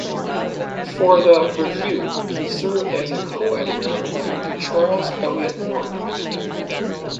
For the "Review", he served as a coeditor along with Charles Eliot Norton.